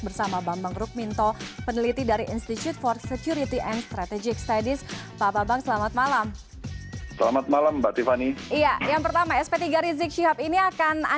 dan juga menurut umumnya